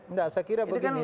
enggak saya kira begini